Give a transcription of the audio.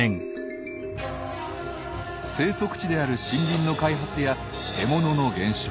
生息地である森林の開発や獲物の減少